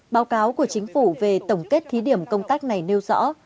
báo cáo của chính phủ về tổng kết thí điểm công tác này nêu rõ